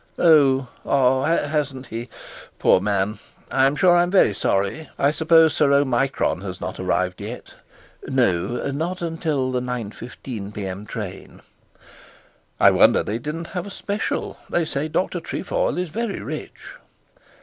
'Oh ah hasn't he? Poor man! I'm sure I'm very sorry. I suppose Sir Omicron has not arrived yet?' 'No; not till the 9.15pm train.' 'I wonder they didn't have a special. They say Dr Trefoil is very rich.'